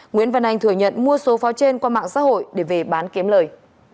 nguyễn văn anh thừa nhận mua số pháo trên qua mạng xã hội để về bán kiếm lời